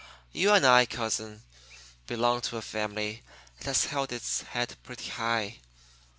You and I, cousin, belong to a family that has held its head pretty high.